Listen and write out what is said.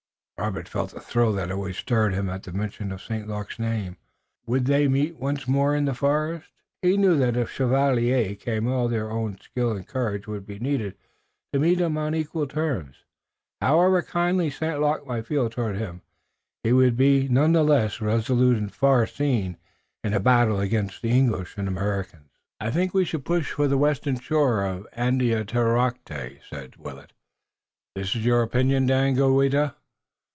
Robert felt the thrill that always stirred him at the mention of St. Luc's name. Would they meet once more in the forest? He knew that if the Chevalier came all their own skill and courage would be needed to meet him on equal terms. However kindly St. Luc might feel toward him he would be none the less resolute and far seeing in battle against the English and Americans. "I think we should push for the western shore of Andiatarocte," said Willet. "What is your opinion, Daganoweda?"